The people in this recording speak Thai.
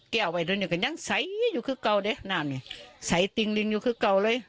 เอาไปด้วยเนี่ยก็ยังใสอยู่คือเก่าเลยนั่นนี่ใส่ติงลิงอยู่คือเก่าเลย